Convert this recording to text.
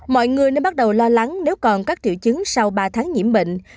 mọi người nên bắt đầu lo lắng nếu còn các triệu chứng sau ba tháng nhiễm bệnh